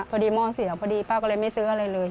หม้อเสียวพอดีป้าก็เลยไม่ซื้ออะไรเลย